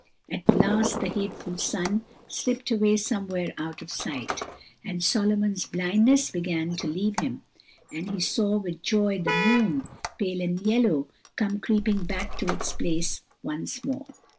At last the hateful sun slipped away somewhere out of sight, and Solomon's blindness began to leave him, and he saw with joy the moon, pale and yellow, come creeping back to its place once more.